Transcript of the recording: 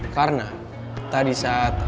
karena tadi saat